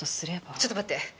ちょっと待って！